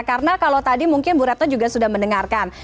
karena kalau tadi mungkin burato juga sudah mendengarkan